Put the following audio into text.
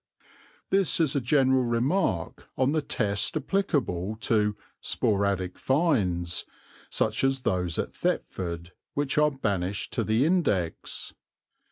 This is a general remark on the test applicable to "sporadic finds," such as those at Thetford, which are banished to the index.